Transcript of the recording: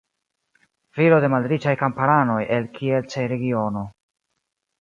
Filo de malriĉaj kamparanoj el Kielce-regiono.